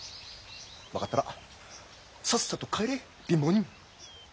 分かったらさっさと帰れ貧乏人。